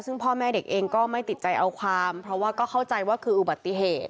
ซึ่งพ่อแม่เด็กเองก็ไม่ติดใจเอาความเพราะว่าก็เข้าใจว่าคืออุบัติเหตุ